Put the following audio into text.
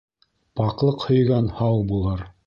Паҡлыҡ һөйгән һау булыр.